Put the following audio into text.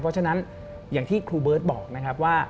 เพราะฉะนั้นอย่างที่ครูเบิร์ตบอกนะครับว่า